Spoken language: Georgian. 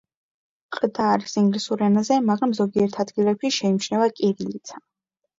ყდა არის ინგლისურ ენაზე, მაგრამ, ზოგიერთ ადგილებში, შეიმჩნევა კირილიცა.